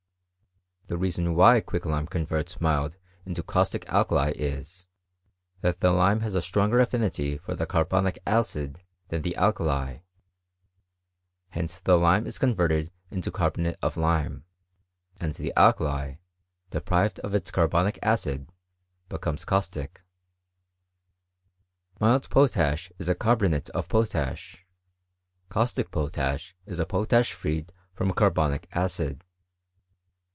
The reason why quicklime converts mild into caustic alkali is, that the lime has a stronger affinity for the carbonic acid than the alkali ; hence the lime is converted into carbonate of lime, and the alkali, deprived of its carbonic acid, becomes caustic* Mild potash is a carbonate of potash ; caustic potash, is potash freed from carbonic acid.